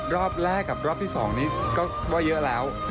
รอบแรกกับรอบที่๒นี้ก็ว่าเยอะแล้ว